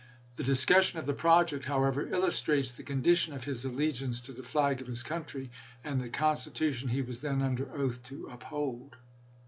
The discussion of the project, however, illustrates the condition of his allegiance to the flag of his country, and the Constitution he was then under oath to uphold.